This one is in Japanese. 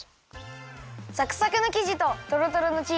サクサクのきじととろとろのチーズがいいね！